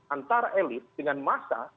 antara elit dengan masa